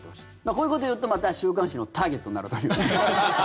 こういうことを言うとまた週刊誌のターゲットになるという。